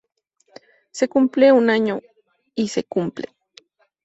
Se cumple un año ¡¡¡y se cumple!!!